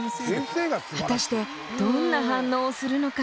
果たしてどんな反応をするのか？